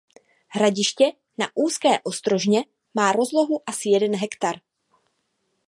Hradiště na úzké ostrožně má rozlohu asi jeden hektar.